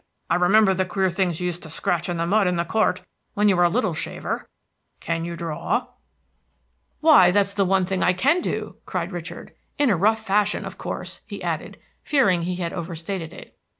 I remember the queer things you used to scratch in the mud in the court, when you were a little shaver. Can you draw?" "Why, that is the one thing I can do!" cried Richard, "in a rough fashion, of course," he added, fearing he had overstated it.